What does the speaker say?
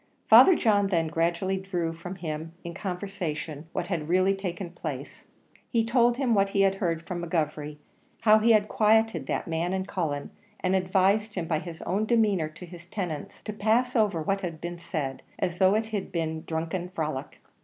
Father John then gradually drew from him in conversation what had really taken place. He told him what he had heard from McGovery how he had quieted that man and Cullen and advised him by his own demeanour to his tenants, to pass over what had been said, as though it had been a drunken frolic.